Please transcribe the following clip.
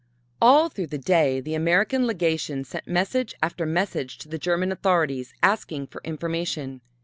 All through the day the American Legation sent message after message to the German authorities asking for information.